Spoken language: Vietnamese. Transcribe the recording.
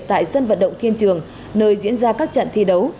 tại sân vận động thiên trường nơi diễn ra các trận thi đấu